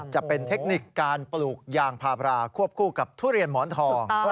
จะเป็นเทคนิคการปลูกยางพาบราควบคู่กับทุเรียนหมอนทอง